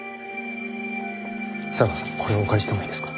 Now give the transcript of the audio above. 茶川さんこれをお借りしてもいいですか？